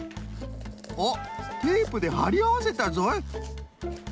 おっテープではりあわせたぞい！